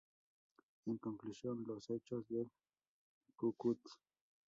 En conclusión, los hechos del "¡Cu-Cut!